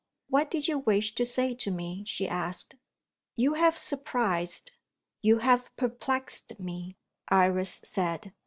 "What did you wish to say to me?" she asked. "You have surprised you have perplexed me," Iris said.